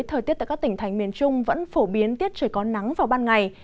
thời tiết tại các tỉnh thành miền trung vẫn phổ biến tiết trời có nắng vào ban ngày